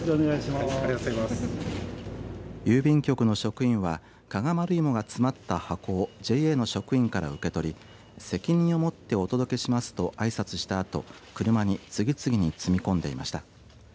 郵便局の職員は加賀丸いもが詰まった箱をＪＡの職員から受け取り責任を持ってお届けしますとあいさつしたあと車に次々に積み込んでいました。